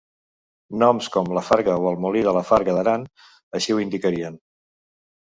Noms com La farga o el Molí de la Farga d'aram així ho indicarien.